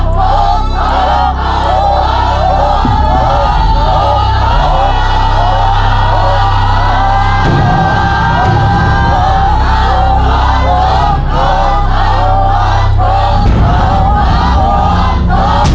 คุกตอบ